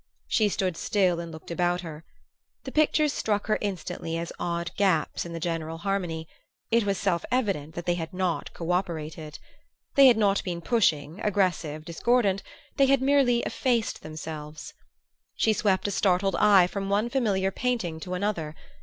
She stood still and looked about her. The pictures struck her instantly as odd gaps in the general harmony; it was self evident that they had not co operated. They had not been pushing, aggressive, discordant: they had merely effaced themselves. She swept a startled eye from one familiar painting to another.